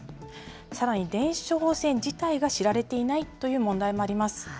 さらに電子処方箋自体が知られていないという問題もあります。